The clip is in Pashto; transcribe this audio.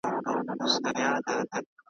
په زحمت چي پکښي اخلمه ګامونه .